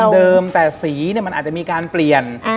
เดิมแต่สีมันอาจจะมีการเปลี่ยน